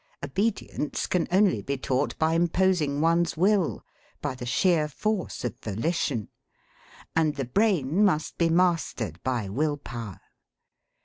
Obedience can only be taught by imposing one's will, by the sheer force of volition. And the brain must be mastered by will power.